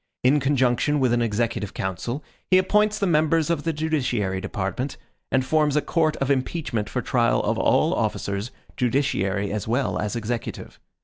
In conjunction with an executive council, he appoints the members of the judiciary department, and forms a court of impeachment for trial of all officers, judiciary as well as executive.